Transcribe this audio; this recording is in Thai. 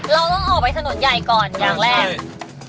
เราต้องออกไปถนนใหญ่ก่อนอย่างแรก